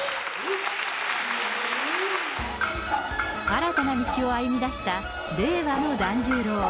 新たな道を歩み出した令和の團十郎。